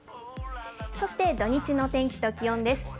そして土日の天気と気温です。